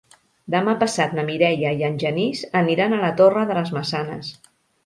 Demà passat na Mireia i en Genís aniran a la Torre de les Maçanes.